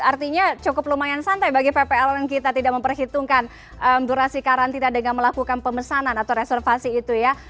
artinya cukup lumayan santai bagi ppln kita tidak memperhitungkan durasi karantina dengan melakukan pemesanan atau reservasi itu ya